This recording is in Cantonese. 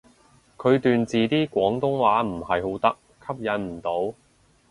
佢段字啲廣東話唔係好得，吸引唔到